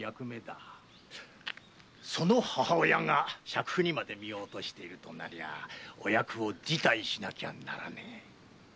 その母親が酌婦にまで身を落としているとなりゃお役を辞退しなきゃならねえ。